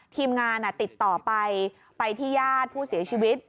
ทีมงานติดต่อไปไปที่ญาติผู้เสียชีวิต